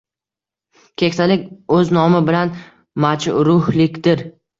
Keksalik o’z nomi bilan majruhlikdir.